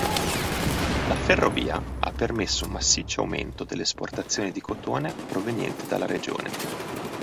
La ferrovia ha permesso un massiccio aumento delle esportazioni di cotone proveniente dalla regione.